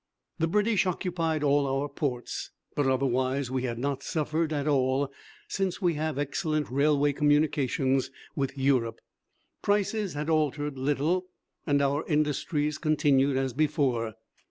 The British occupied all our ports, but otherwise we had not suffered at all, since we have excellent railway communications with Europe. Prices had altered little, and our industries continued as before.